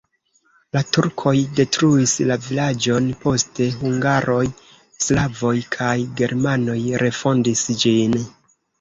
La turkoj detruis la vilaĝon, poste hungaroj, slavoj kaj germanoj refondis ĝin.